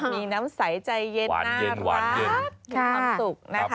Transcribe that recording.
มีน้ำใสใจเย็นน่ารักมีน้ำสุข